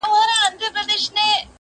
نن مي خیال خمار خمار لکه خیام دی,